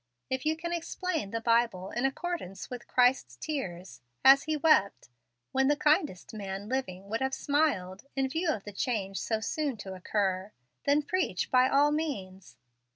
If you can explain the Bible in accordance with Christ's tears, as He wept, when the kindest man living would have smiled, in view of the change so soon to occur, then preach by all means.